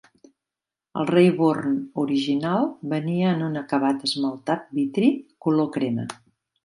El Rayburn original venia en un acabat esmaltat vitri color crema.